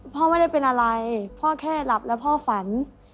พ่อไม่ได้เป็นอะไรพ่อแค่หลับแล้วพ่อฝัน